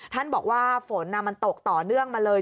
ท่านบอกว่าฝนมันตกต่อเนื่องมาเลย